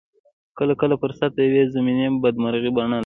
کله کله فرصت د يوې ضمني بدمرغۍ بڼه لري.